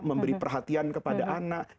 memberi perhatian kepada anak